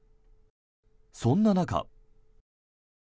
そんな中。